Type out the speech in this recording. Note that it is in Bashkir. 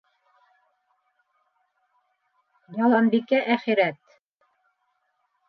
— Яланбикә, әхирәт!